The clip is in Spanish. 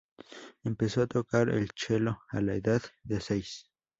Empezó a tocar el chelo a la edad de seis.